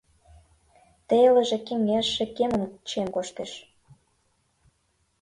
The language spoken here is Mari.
Телыже-кеҥежше кемым чиен коштеш.